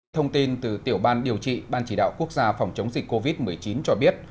thông tin từ tiểu ban điều trị ban chỉ đạo quốc gia phòng chống dịch covid một mươi chín cho biết